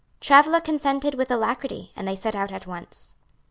Travilla consented with alacrity, and they set out at once.